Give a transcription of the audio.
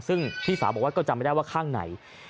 ซึ่งพี่สาวบอกว่าก็จำไม่ได้ว่าข้างไหน